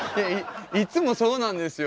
いっつもそうなんですよ。